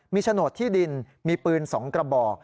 มีโฉนดที่ดินมีปืน๒กระบอก